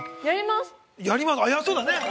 やります！